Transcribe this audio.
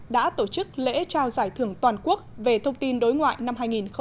đã tổ chức lễ trao giải thưởng toàn quốc về thông tin đối ngoại năm hai nghìn hai mươi